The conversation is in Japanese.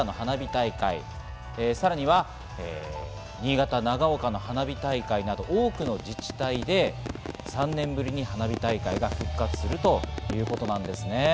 このように秋田の花火大会、さらには新潟の長岡の花火大会など多くの自治体で３年ぶりに花火大会が復活するということなんですね。